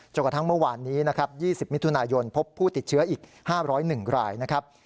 จนกว่าทั้งเมื่อวานนี้๒๐มิถุนายนพบผู้ติดเชื้ออีก๕๐๑รายนะครับ